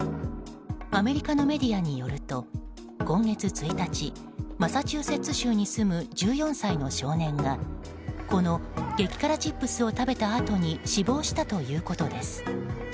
アメリカのメディアによると今月１日マサチューセッツ州に住む１４歳の少年がこの激辛チップスを食べたあとに死亡したということです。